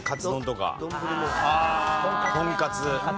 とんかつ。